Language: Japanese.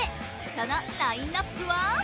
そのラインナップは？